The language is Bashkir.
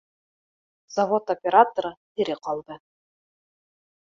Завод операторы тере ҡалды